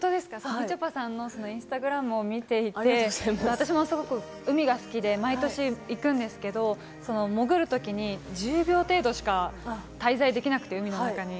みちょぱさんのインスタグラムを見ていて、私も海が好きで毎年行くんですけれども、潜るときに１０秒程度しか滞在できなくて海の中に。